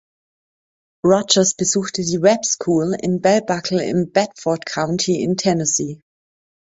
Rogers besuchte die Webb School in Bell Buckle im Bedford County in Tennessee.